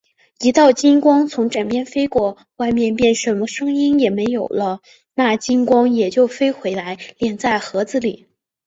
一道金光从枕边飞出，外面便什么声音也没有了，那金光也就飞回来，敛在盒子里。